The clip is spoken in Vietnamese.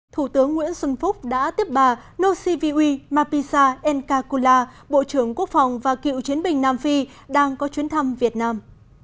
thủ tướng nguyễn xuân phúc đã tiếp bà nociviui mapisa nkakula bộ trưởng quốc phòng và cựu chiến binh nam phi đang có chuyến thăm việt nam